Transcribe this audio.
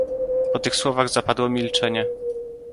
"Po tych słowach zapadło milczenie."